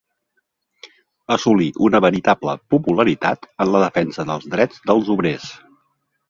Assolí una veritable popularitat en la defensa dels drets dels obrers.